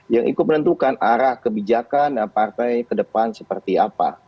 yang ikut menentukan arah kebijakan partai ke depan seperti apa